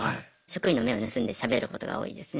職員の目を盗んでしゃべることが多いです。